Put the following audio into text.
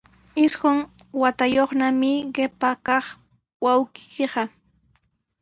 Isqun watayuqnami qipa kaq wawqiiqa.